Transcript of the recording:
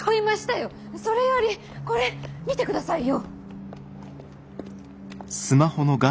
それよりこれ見てくださいよ。